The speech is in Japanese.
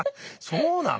そうなの？